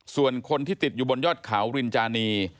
ส่วนคนที่ติดอยู่บนยอดเขารินจานี